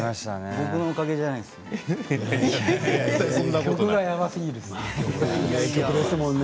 僕のおかげではないですね